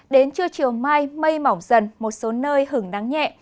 đến trưa chiều mai mây mỏng dần một số nơi hứng nắng nhẹ